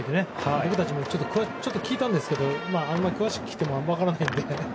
僕たちも聞いたんですけどあんまり詳しく聞いても分からないので。